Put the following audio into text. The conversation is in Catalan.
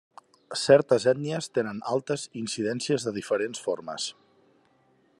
Certes ètnies tenen altes incidències de diferents formes.